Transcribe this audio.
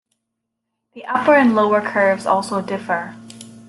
The upper and lower curves also differ.